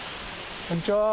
こんにちは！